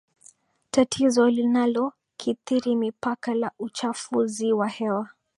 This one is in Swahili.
tatizo linalokithiri mipaka la uchafuzi wa hewa